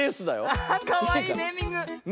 アハッかわいいネーミング。ね。